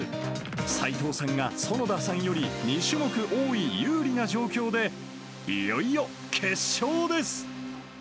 齋藤さんが園田さんより２種目多い有利な状況で、いよいよ決勝です。